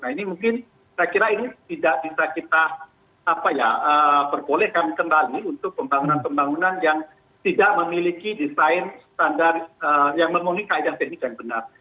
nah ini mungkin saya kira ini tidak bisa kita perbolehkan kembali untuk pembangunan pembangunan yang tidak memiliki desain standar yang memenuhi kaedah teknik yang benar